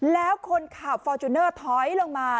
แล้วคนขับฟอร์จูเนอร์ถอยลงมา